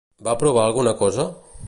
Va provar alguna cosa?